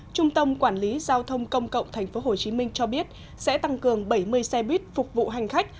trung tâm quản lý giao thông công cộng tp hcm cho biết sẽ tăng cường bảy mươi xe buýt phục vụ hành khách